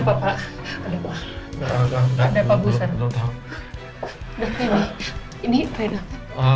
bapak gue seru